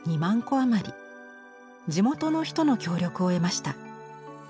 地元の人の協力を得ました。